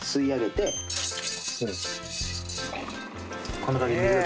こんな感じで。